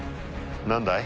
何だい？